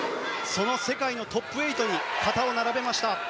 その世界のトップ８に肩を並べました。